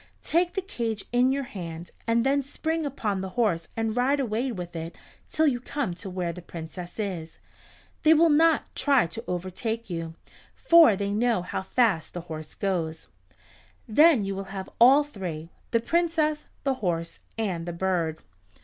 Take the cage in your hand and then spring upon the horse and ride away with it till you come to where the Princess is. They will not try to overtake you, for they know how fast the horse goes. Then you will have all three, the Princess, the horse, and the bird."